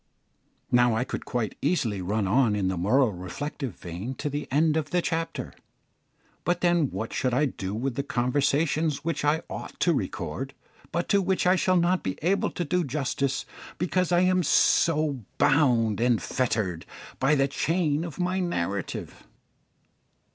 Now I could quite easily run on in the moral reflective vein to the end of the chapter, but then what should I do with the conversations which I ought to record, but to which I shall not be able to do justice, because I am so bound and fettered by the chain of my narrative?